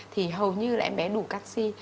thì hầu như là em bé đủ canxi